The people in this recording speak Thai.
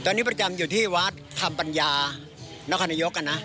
ตอนนี้ประจำอยู่ที่วัดคำปัญญานครนายกนะ